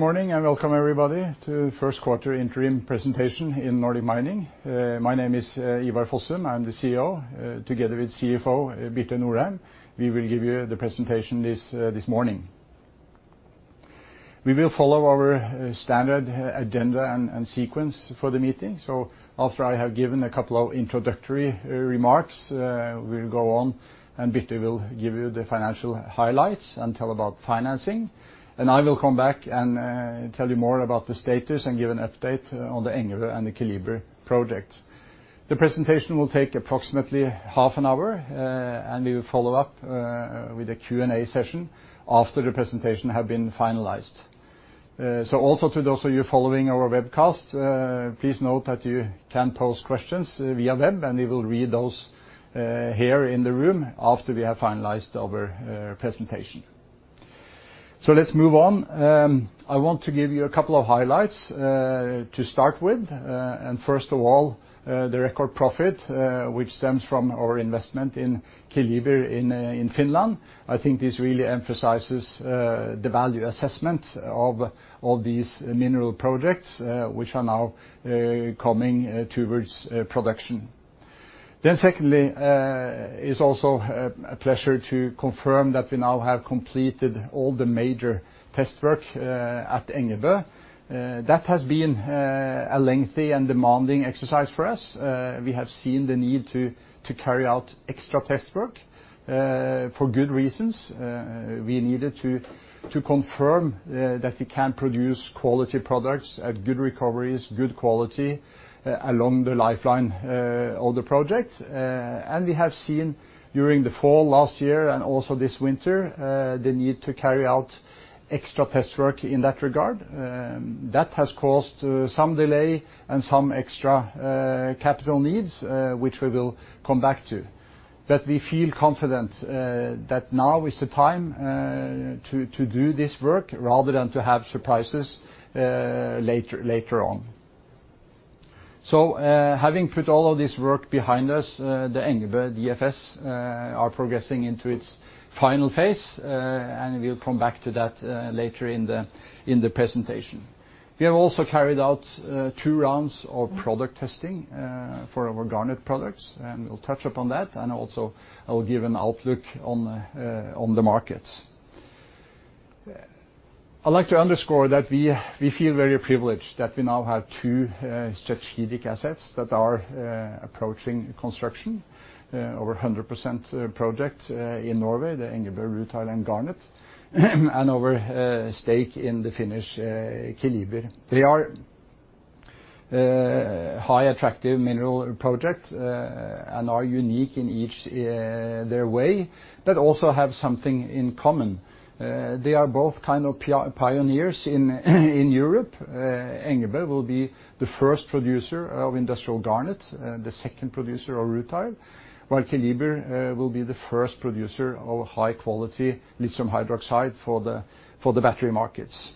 Morning, and welcome everybody to the first quarter interim presentation in Nordic Mining. My name is Ivar Fossum. I'm the CEO, together with CFO Birte Nordheim. We will give you the presentation this morning. We will follow our standard agenda and sequence for the meeting. After I have given a couple of introductory remarks, we will go on, and Birte will give you the financial highlights and tell about financing. I will come back and tell you more about the status and give an update on the Engebø and the Keliber projects. The presentation will take approximately half an hour, and we will follow up with a Q&A session after the presentation has been finalized. Also, to those of you following our webcast, please note that you can post questions via web, and we will read those here in the room after we have finalized our presentation. Let's move on. I want to give you a couple of highlights to start with. First of all, the record profit, which stems from our investment in Keliber in Finland. I think this really emphasizes the value assessment of all these mineral projects, which are now coming towards production. Secondly, it's also a pleasure to confirm that we now have completed all the major test work at Engebø. That has been a lengthy and demanding exercise for us. We have seen the need to carry out extra test work for good reasons. We needed to confirm that we can produce quality products at good recoveries, good quality along the lifeline of the project. We have seen during the fall last year and also this winter the need to carry out extra test work in that regard. That has caused some delay and some extra capital needs, which we will come back to. We feel confident that now is the time to do this work rather than to have surprises later on. Having put all of this work behind us, the Engebø DFS is progressing into its final phase, and we'll come back to that later in the presentation. We have also carried out two rounds of product testing for our garnet products, and we'll touch upon that, and also I'll give an outlook on the markets. I'd like to underscore that we feel very privileged that we now have two strategic assets that are approaching construction, over 100% project in Norway, the Engebø rutile and garnet, and our stake in the Finnish Keliber. They are high attractive mineral projects and are unique in each their way, but also have something in common. They are both kind of pioneers in Europe. Engebø will be the first producer of industrial garnet, the second producer of rutile, while Keliber will be the first producer of high quality lithium hydroxide for the battery markets.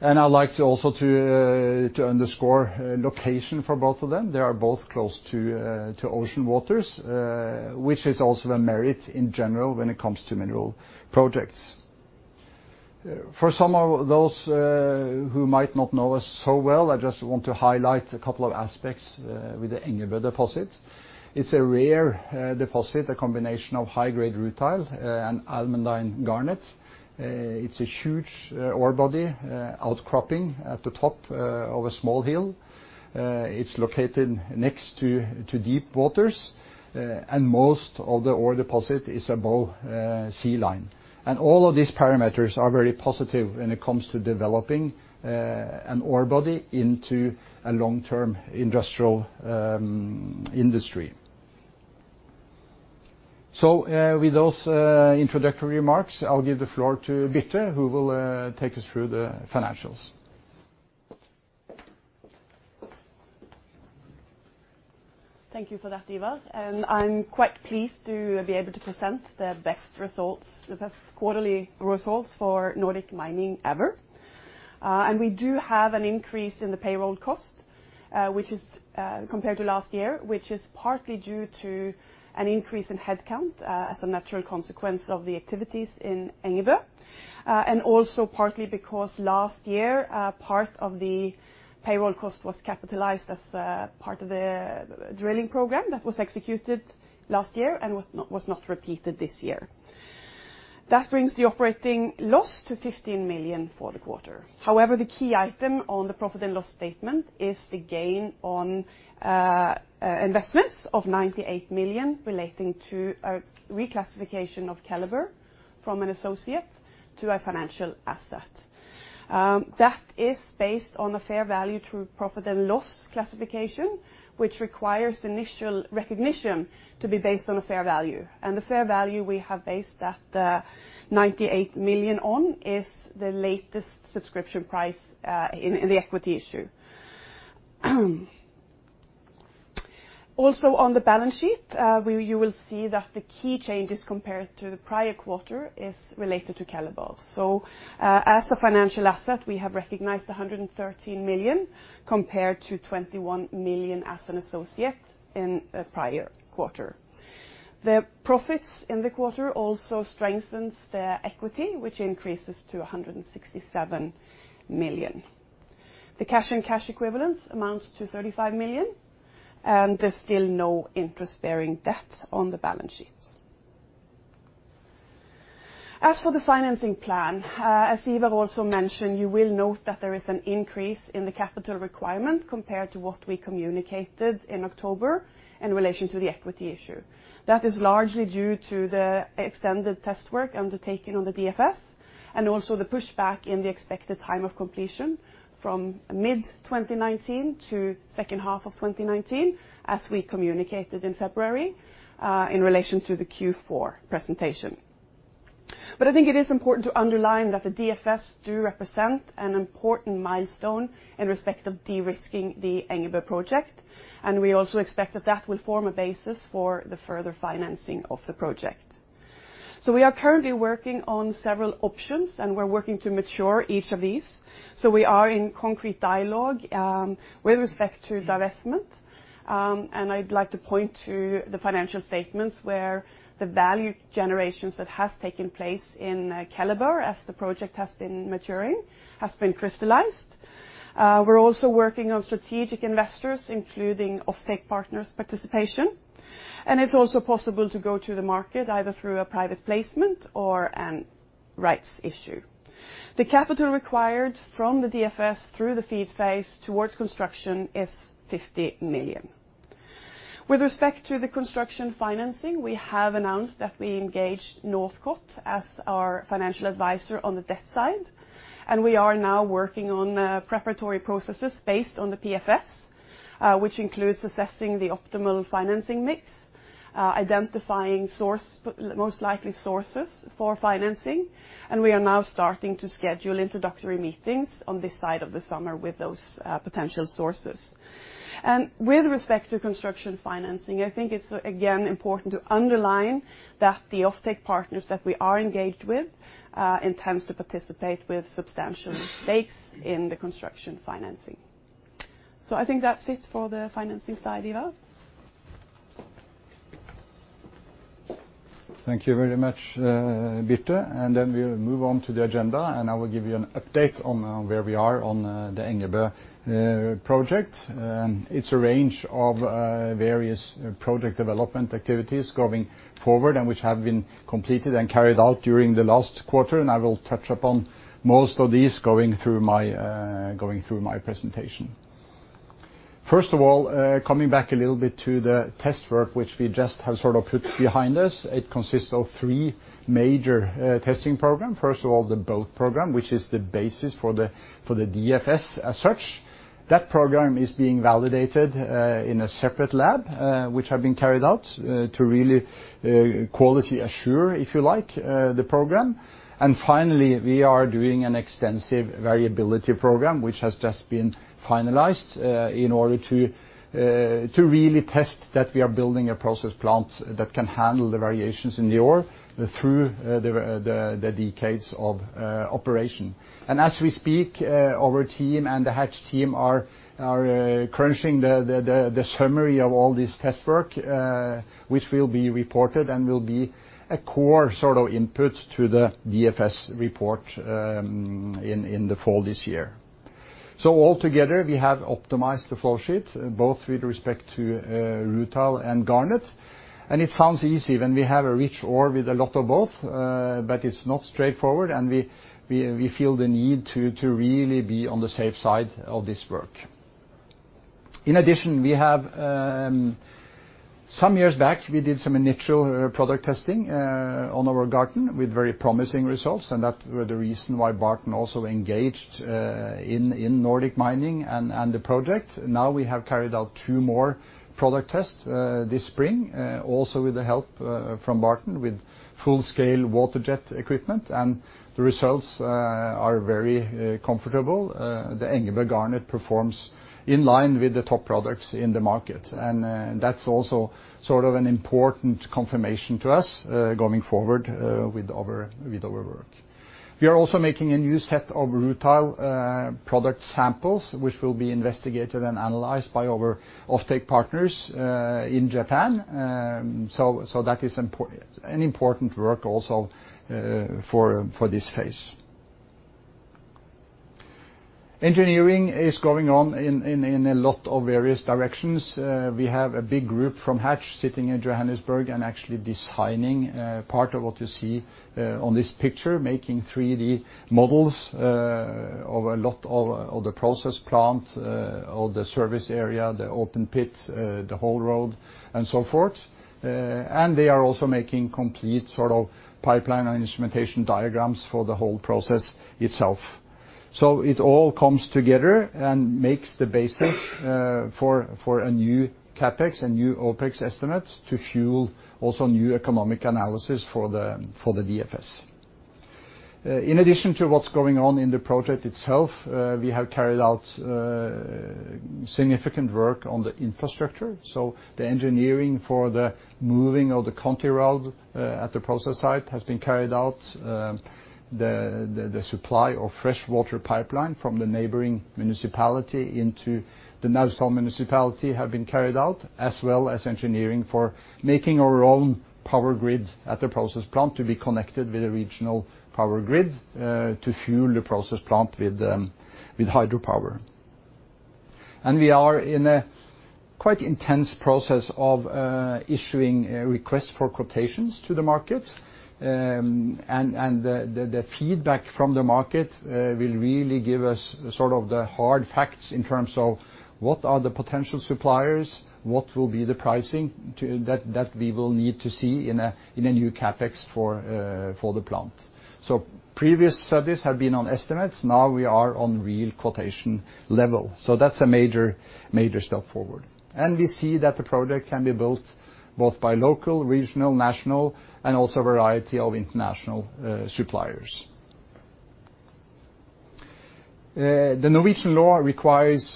I would like also to underscore the location for both of them. They are both close to ocean waters, which is also a merit in general when it comes to mineral projects. For some of those who might not know us so well, I just want to highlight a couple of aspects with the Engebø deposit. It is a rare deposit, a combination of high grade rutile and almandine garnet. It is a huge ore body, outcropping at the top of a small hill. It is located next to deep waters, and most of the ore deposit is above sea line. All of these parameters are very positive when it comes to developing an ore body into a long term industrial industry. With those introductory remarks, I'll give the floor to Birte, who will take us through the financials. Thank you for that, Ivar. I am quite pleased to be able to present the best results, the best quarterly results for Nordic Mining ever. We do have an increase in the payroll cost, which is compared to last year, which is partly due to an increase in headcount as a natural consequence of the activities in Engebø, and also partly because last year part of the payroll cost was capitalized as part of the drilling program that was executed last year and was not repeated this year. That brings the operating loss to 15 million for the quarter. However, the key item on the profit and loss statement is the gain on investments of 98 million relating to a reclassification of Keliber from an associate to a financial asset. That is based on a fair value to profit and loss classification, which requires initial recognition to be based on a fair value. The fair value we have based that 98 million on is the latest subscription price in the equity issue. Also on the balance sheet, you will see that the key changes compared to the prior quarter are related to Keliber. As a financial asset, we have recognized 113 million compared to 21 million as an associate in the prior quarter. The profits in the quarter also strengthen the equity, which increases to 167 million. The cash and cash equivalents amount to 35 million, and there is still no interest bearing debt on the balance sheet. As for the financing plan, as Ivar also mentioned, you will note that there is an increase in the capital requirement compared to what we communicated in October in relation to the equity issue. That is largely due to the extended test work undertaken on the DFS and also the pushback in the expected time of completion from mid 2019 to second half of 2019, as we communicated in February in relation to the Q4 presentation. I think it is important to underline that the DFS does represent an important milestone in respect of de-risking the Engebø project, and we also expect that that will form a basis for the further financing of the project. We are currently working on several options, and we're working to mature each of these. We are in concrete dialogue with respect to divestment, and I'd like to point to the financial statements where the value generations that have taken place in Keliber as the project has been maturing have been crystallized. We're also working on strategic investors, including offtake partners' participation, and it's also possible to go to the market either through a private placement or a rights issue. The capital required from the DFS through the feed phase towards construction is 50 million. With respect to the construction financing, we have announced that we engaged Northcott as our financial advisor on the debt side, and we are now working on preparatory processes based on the PFS, which includes assessing the optimal financing mix, identifying most likely sources for financing, and we are now starting to schedule introductory meetings on this side of the summer with those potential sources. With respect to construction financing, I think it's again important to underline that the offtake partners that we are engaged with intend to participate with substantial stakes in the construction financing. I think that's it for the financing side, Ivar. Thank you very much, Birte, and then we'll move on to the agenda, and I will give you an update on where we are on the Engebø project. It's a range of various project development activities going forward and which have been completed and carried out during the last quarter, and I will touch upon most of these going through my presentation. First of all, coming back a little bit to the test work, which we just have sort of put behind us, it consists of three major testing programs. First of all, the BOAT program, which is the basis for the DFS as such. That program is being validated in a separate lab, which has been carried out to really quality assure, if you like, the program. Finally, we are doing an extensive variability program, which has just been finalized in order to really test that we are building a process plant that can handle the variations in the ore through the decades of operation. As we speak, our team and the Hatch team are crunching the summary of all this test work, which will be reported and will be a core sort of input to the DFS report in the fall this year. Altogether, we have optimized the flowsheet both with respect to rutile and garnet, and it sounds easy when we have a rich ore with a lot of both, but it's not straightforward, and we feel the need to really be on the safe side of this work. In addition, some years back, we did some initial product testing on our garnet with very promising results, and that was the reason why Barton also engaged in Nordic Mining and the project. Now we have carried out two more product tests this spring, also with the help from Barton with full scale water jet equipment, and the results are very comfortable. The Engebø garnet performs in line with the top products in the market, and that's also sort of an important confirmation to us going forward with our work. We are also making a new set of rutile product samples, which will be investigated and analyzed by our offtake partners in Japan. That is an important work also for this phase. Engineering is going on in a lot of various directions. We have a big group from Hatch sitting in Johannesburg and actually designing part of what you see on this picture, making 3D models of a lot of the process plant, of the service area, the open pit, the whole road, and so forth. They are also making complete sort of pipeline and instrumentation diagrams for the whole process itself. It all comes together and makes the basis for a new CapEx and new OpEx estimates to fuel also new economic analysis for the DFS. In addition to what is going on in the project itself, we have carried out significant work on the infrastructure. The engineering for the moving of the county road at the process site has been carried out. The supply of fresh water pipeline from the neighboring municipality into the Naustdal municipality has been carried out, as well as engineering for making our own power grid at the process plant to be connected with a regional power grid to fuel the process plant with hydropower. We are in a quite intense process of issuing requests for quotations to the market, and the feedback from the market will really give us sort of the hard facts in terms of what are the potential suppliers, what will be the pricing that we will need to see in a new CapEx for the plant. Previous studies have been on estimates. Now we are on real quotation level. That is a major step forward. We see that the project can be built both by local, regional, national, and also a variety of international suppliers. The Norwegian law requires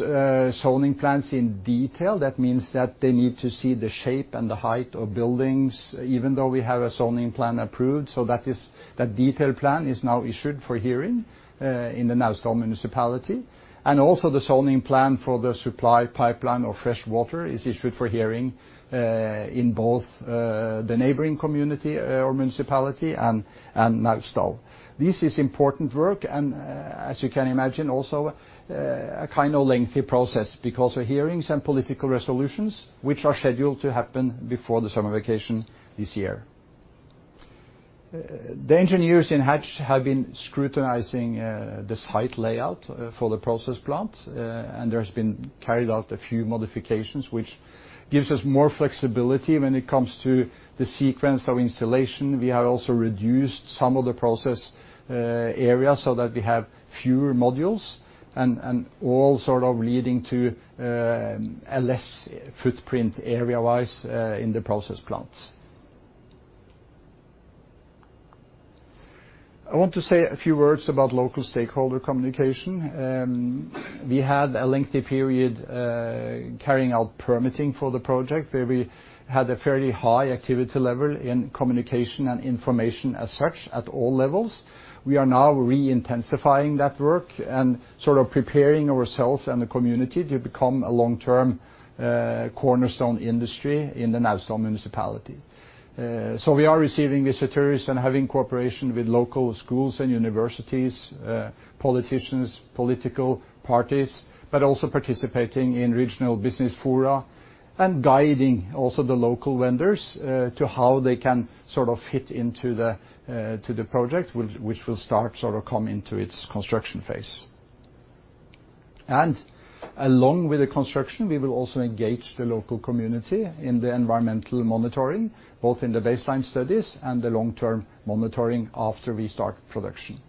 zoning plans in detail. That means that they need to see the shape and the height of buildings, even though we have a zoning plan approved. That detailed plan is now issued for hearing in the Naustdal Municipality. Also, the zoning plan for the supply pipeline of fresh water is issued for hearing in both the neighboring community or municipality and Naustdal. This is important work, and as you can imagine, also a kind of lengthy process because of hearings and political resolutions, which are scheduled to happen before the summer vacation this year. The engineers in Hatch have been scrutinizing the site layout for the process plant, and there have been carried out a few modifications, which gives us more flexibility when it comes to the sequence of installation. We have also reduced some of the process area so that we have fewer modules and all sort of leading to a less footprint area-wise in the process plant. I want to say a few words about local stakeholder communication. We had a lengthy period carrying out permitting for the project where we had a fairly high activity level in communication and information as such at all levels. We are now re-intensifying that work and sort of preparing ourselves and the community to become a long-term cornerstone industry in the Naustdal Municipality. We are receiving visitors and having cooperation with local schools and universities, politicians, political parties, but also participating in regional business fora and guiding also the local vendors to how they can sort of fit into the project, which will start sort of coming into its construction phase. Along with the construction, we will also engage the local community in the environmental monitoring, both in the baseline studies and the long-term monitoring after we start production.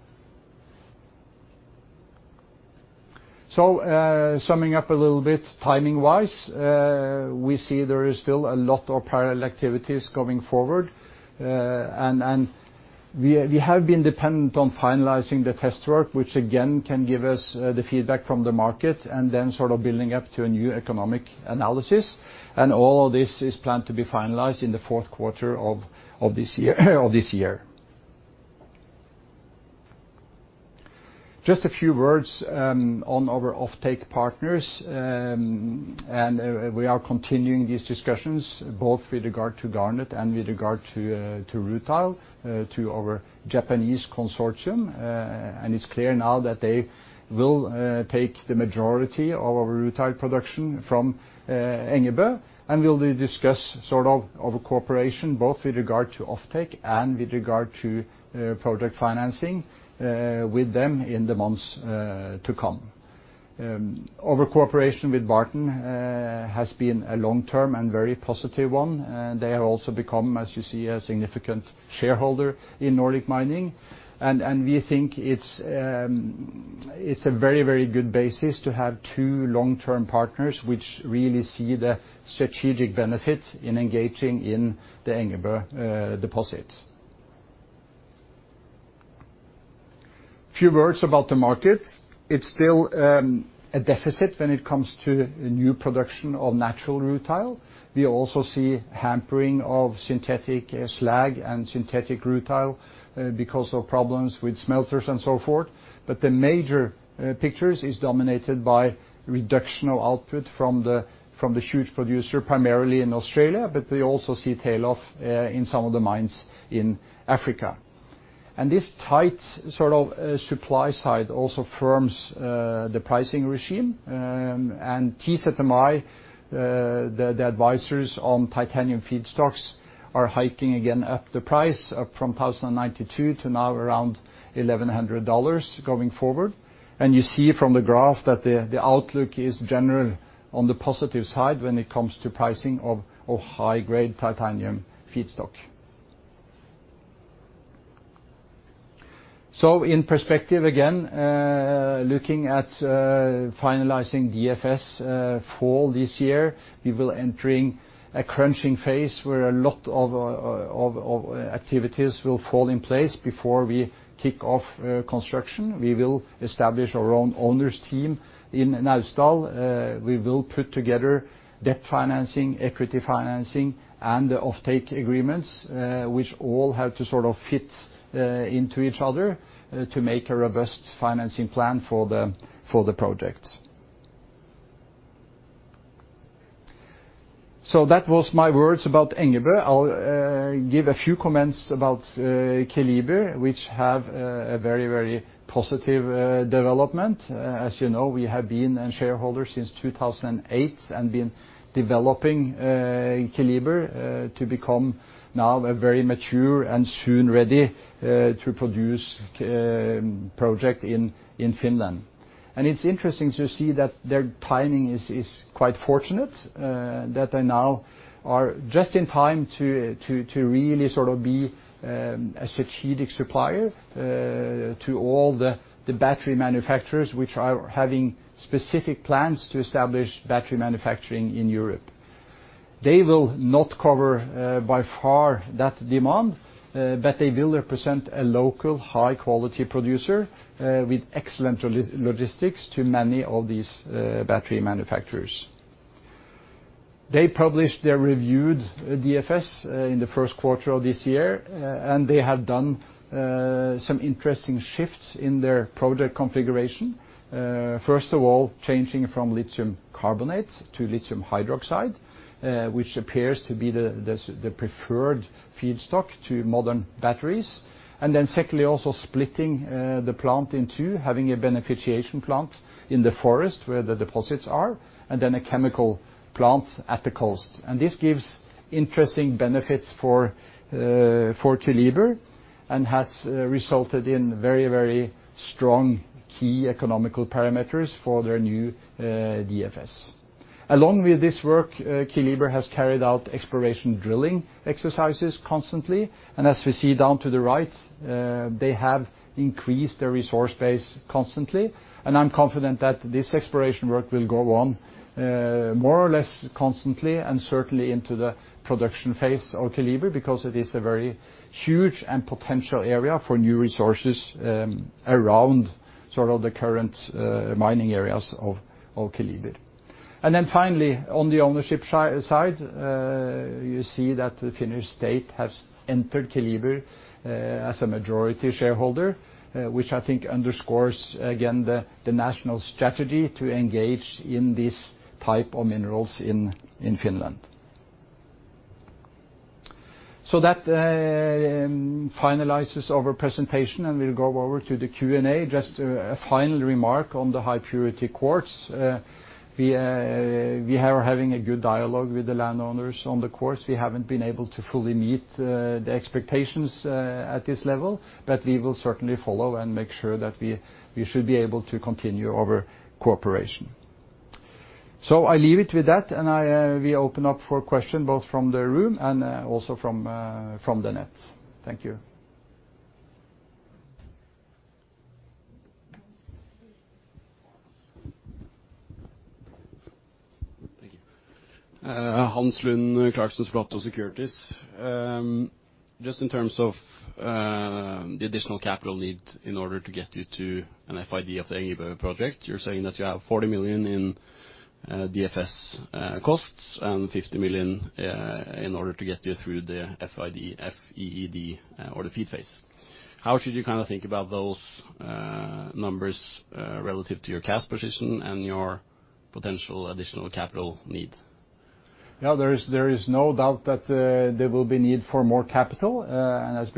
Summing up a little bit timing-wise, we see there is still a lot of parallel activities going forward, and we have been dependent on finalizing the test work, which again can give us the feedback from the market and then sort of building up to a new economic analysis. All of this is planned to be finalized in the fourth quarter of this year. Just a few words on our offtake partners, and we are continuing these discussions both with regard to garnet and with regard to rutile, to our Japanese consortium. It is clear now that they will take the majority of our rutile production from Engebø, and we will discuss sort of our cooperation both with regard to offtake and with regard to project financing with them in the months to come. Our cooperation with Barton has been a long-term and very positive one, and they have also become, as you see, a significant shareholder in Nordic Mining. We think it is a very, very good basis to have two long-term partners which really see the strategic benefits in engaging in the Engebø deposits. Few words about the market. It is still a deficit when it comes to new production of natural rutile. We also see hampering of synthetic slag and synthetic rutile because of problems with smelters and so forth. The major picture is dominated by reduction of output from the huge producer, primarily in Australia, but we also see a tail-off in some of the mines in Africa. This tight sort of supply side also firms the pricing regime, and TZMI, the advisors on titanium feed stocks, are hiking again up the price from $1,092 to now around $1,100 going forward. You see from the graph that the outlook is general on the positive side when it comes to pricing of high-grade titanium feed stock. In perspective, again, looking at finalizing DFS fall this year, we will be entering a crunching phase where a lot of activities will fall in place before we kick off construction. We will establish our own owners team in Naustdal. We will put together debt financing, equity financing, and the offtake agreements, which all have to sort of fit into each other to make a robust financing plan for the projects. That was my words about Engebø. I'll give a few comments about Keliber, which have a very, very positive development. As you know, we have been a shareholder since 2008 and been developing Keliber to become now a very mature and soon ready to produce project in Finland. It is interesting to see that their timing is quite fortunate, that they now are just in time to really sort of be a strategic supplier to all the battery manufacturers which are having specific plans to establish battery manufacturing in Europe. They will not cover by far that demand, but they will represent a local high-quality producer with excellent logistics to many of these battery manufacturers. They published their reviewed DFS in the first quarter of this year, and they have done some interesting shifts in their project configuration. First of all, changing from lithium carbonate to lithium hydroxide, which appears to be the preferred feed stock to modern batteries. Secondly, also splitting the plant in two, having a beneficiation plant in the forest where the deposits are, and then a chemical plant at the coast. This gives interesting benefits for Keliber and has resulted in very, very strong key economical parameters for their new DFS. Along with this work, Keliber has carried out exploration drilling exercises constantly. As we see down to the right, they have increased their resource base constantly. I'm confident that this exploration work will go on more or less constantly and certainly into the production phase of Keliber because it is a very huge and potential area for new resources around sort of the current mining areas of Keliber. Finally, on the ownership side, you see that the Finnish state has entered Keliber as a majority shareholder, which I think underscores again the national strategy to engage in this type of minerals in Finland. That finalizes our presentation, and we'll go over to the Q&A. Just a final remark on the high purity quartz. We are having a good dialogue with the landowners on the quartz. We haven't been able to fully meet the expectations at this level, but we will certainly follow and make sure that we should be able to continue our cooperation. I leave it with that, and we open up for questions both from the room and also from the net. Thank you. Thank you. Hans Lund, Clarksons Securities. Just in terms of the additional capital need in order to get you to an FID of the Engebø project, you're saying that you have 40 million in DFS costs and 50 million in order to get you through the FID or the feed phase. How should you kind of think about those numbers relative to your cash position and your potential additional capital need? Yeah, there is no doubt that there will be need for more capital. As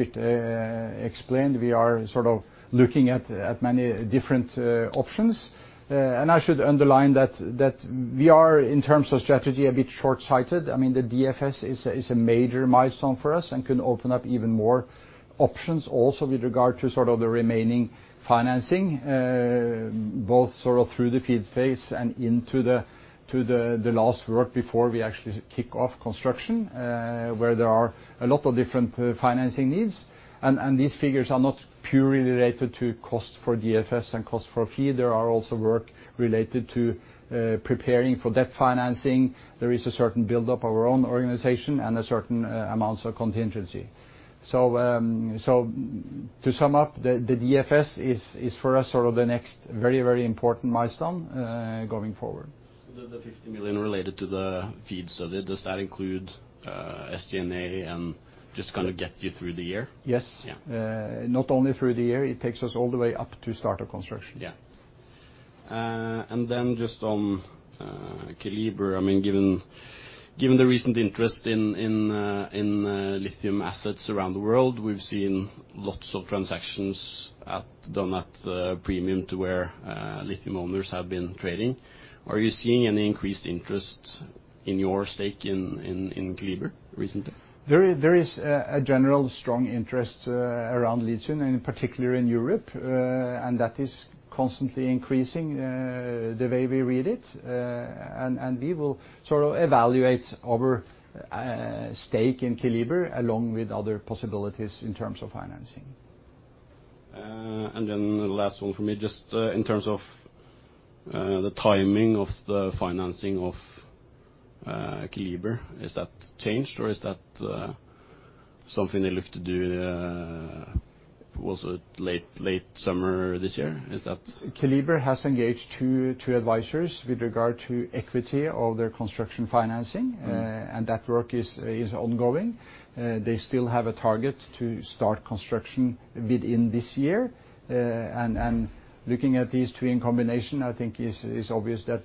explained, we are sort of looking at many different options. I should underline that we are, in terms of strategy, a bit short-sighted. I mean, the DFS is a major milestone for us and can open up even more options also with regard to sort of the remaining financing, both sort of through the feed phase and into the last work before we actually kick off construction, where there are a lot of different financing needs. These figures are not purely related to cost for DFS and cost for feed. There is also work related to preparing for debt financing. There is a certain build-up of our own organization and a certain amount of contingency. To sum up, the DFS is for us sort of the next very, very important milestone going forward. The 50 million related to the feed, does that include SG&A and just kind of get you through the year? Yes. Not only through the year. It takes us all the way up to startup construction. Yeah. And then just on Keliber, I mean, given the recent interest in lithium assets around the world, we've seen lots of transactions done at a premium to where lithium owners have been trading. Are you seeing any increased interest in your stake in Keliber recently? There is a general strong interest around lithium, and in particular in Europe, and that is constantly increasing the way we read it. We will sort of evaluate our stake in Keliber along with other possibilities in terms of financing. The last one for me, just in terms of the timing of the financing of Keliber, is that changed or is that something they look to do also late summer this year? Keliber has engaged two advisors with regard to equity of their construction financing, and that work is ongoing. They still have a target to start construction within this year. Looking at these two in combination, I think it's obvious that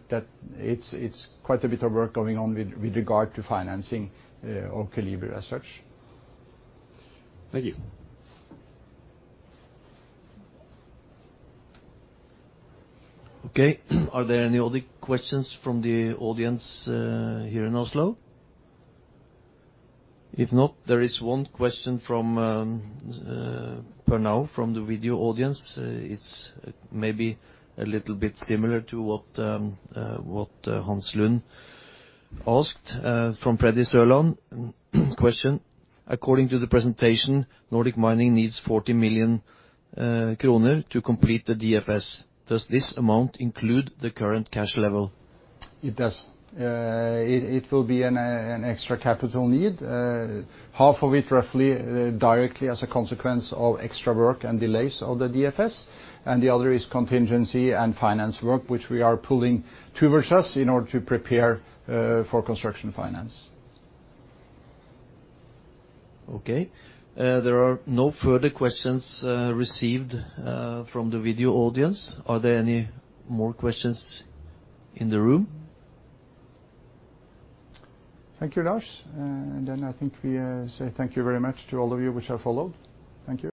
it's quite a bit of work going on with regard to financing of Keliber as such. Thank you. Okay. Are there any other questions from the audience here in Oslo? If not, there is one question from Pernau from the video audience. It's maybe a little bit similar to what Hans Lund asked from Freddie Sørland. Question. According to the presentation, Nordic Mining needs 40 million kroner to complete the DFS. Does this amount include the current cash level? It does. It will be an extra capital need, half of it roughly directly as a consequence of extra work and delays of the DFS. And the other is contingency and finance work, which we are pulling towards us in order to prepare for construction finance. Okay. There are no further questions received from the video audience. Are there any more questions in the room? Thank you, Lars. I think we say thank you very much to all of you which have followed. Thank you.